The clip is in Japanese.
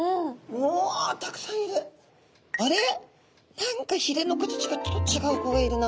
うわたくさんいる。